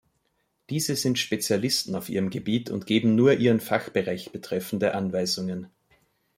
Diese sind Spezialisten auf ihrem Gebiet und geben nur ihren Fachbereich betreffende Anweisungen.